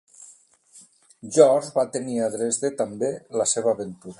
George va tenir a Dresde, també, la seva aventura.